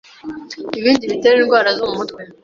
Ibindi bitera indwara zo mu mutwe